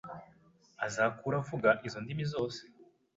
azakura avuga izo ndimi zose